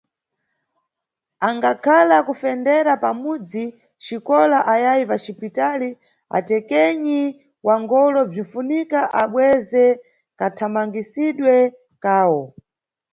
Angakhala akufendera pamudzi, xikola ayayi paxipitali, atekenyi wa ngolo bzinʼfunika abweze kathamangisidwe kawo.